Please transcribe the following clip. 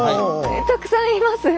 たくさんいます。